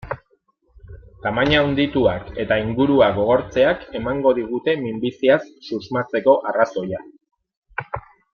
Tamaina handituak eta ingurua gogortzeak emango digute minbiziaz susmatzeko arrazoia.